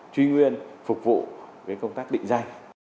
truy nguyên phục vụ với công tác định danh